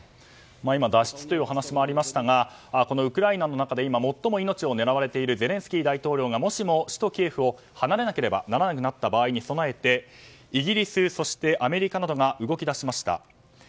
今、脱出というお話がありましたがウクライナの中で今、最も命を狙われているゼレンスキー大統領がもしも首都キエフを離れなければならなくなった場合に備えてイギリス、アメリカなどが動き出しました。